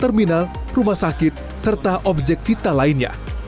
terminal rumah sakit serta objek vital lainnya